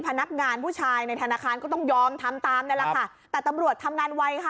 พนักงานผู้ชายในธนาคารก็ต้องยอมทำตามนั่นแหละค่ะแต่ตำรวจทำงานไวค่ะ